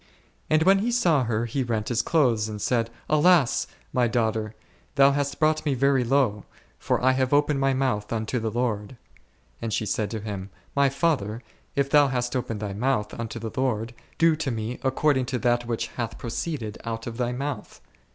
And when he saw her he rent his clothes and said, Alas ! my daughter, thou hast brought me very low, for I have opened my mouth unto the Lord. And she said to him, My father, if thou hast opened thy mouth unto the Lord, do to me according to that which hath pro d Heb. iv. 12. e Judg. xi. o o ceeded out of thy mouth.